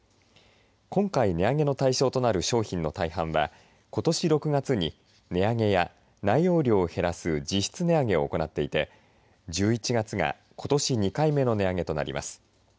今回、値上げの対象となる商品の大半はことし６月に値上げや内容量を減らす実質値上げを行っていて１１月が、ことし２回目の値上げとなります。